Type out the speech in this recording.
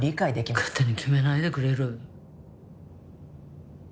勝手に決めないでくれる？